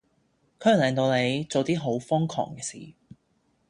佢會令到你做啲好瘋狂嘅事